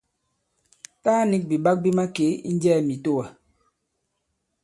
Taa nik bìɓak bi makee i njɛɛ mitowa.